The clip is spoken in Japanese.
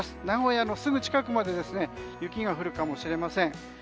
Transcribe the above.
名古屋のすぐ近くまで雪が降るかもしれません。